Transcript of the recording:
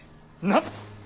なっ。